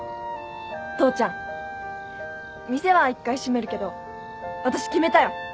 父ちゃん店は一回閉めるけど私決めたよ。